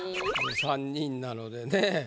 ３人なのでね。